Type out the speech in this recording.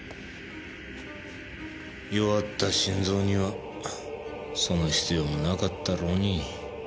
弱った心臓にはその必要もなかったろうに。